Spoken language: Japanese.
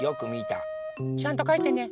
ちゃんとかいてね。